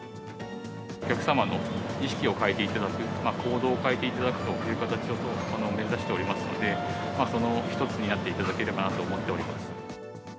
お客様の意識を変えていただく、行動を変えていただくという形を目指しておりますので、その一つになっていただければなと思っております。